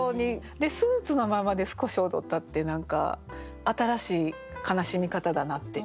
で「スーツのままで少し踊った」って何か新しい悲しみ方だなって。